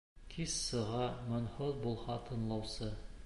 Кис сыға, моңһоҙ булһа тыңлаусы.